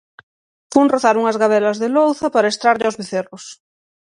Fun rozar unhas gavelas de louza para estrarlle aos becerros